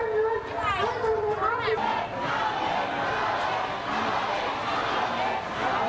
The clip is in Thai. วิทยาลัยเมริกาวิทยาลัยเมริกา